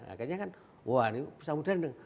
akhirnya kan wah ini bisa moderndeng